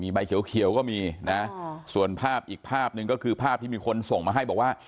ใบเขียวก็มีนะส่วนภาพอีกภาพหนึ่งก็คือภาพที่มีคนส่งมาให้บอกว่า